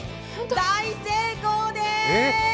大成功でーす。